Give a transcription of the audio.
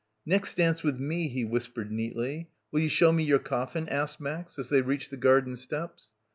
"Next dance with me," he whispered neatly. "Will you show me your coffin?" asked Max as they reached the garden steps.